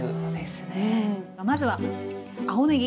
まずは青ねぎ。